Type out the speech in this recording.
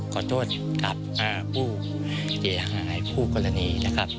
ขอบค์โทษกับผู้เจหายผู้กรณีนะครับ